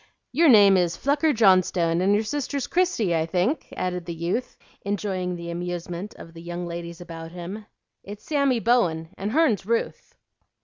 "Your name is Flucker Johnstone, and your sister's Christie, I think?" added the youth, enjoying the amusement of the young ladies about him. "It's Sammy Bowen, and hern's Ruth."